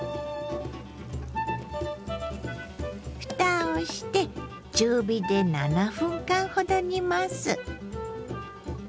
ふたをして中火で７分間ほど煮ます。